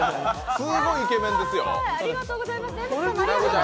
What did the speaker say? すごいイケメンですよ。